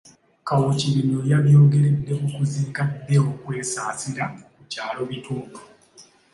Kawuki bino yabyogeredde mu kuziika Deo Kwesasira ku kyalo Bituntu